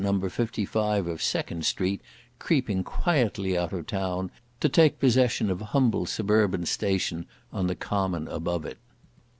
55 of Second street creeping quietly out of town, to take possession of a humble suburban station on the common above it.